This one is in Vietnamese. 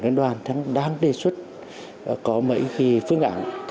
tổng đoàn đáng đề xuất có mấy phương ảnh